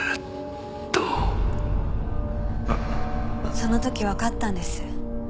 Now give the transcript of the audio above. その時わかったんです。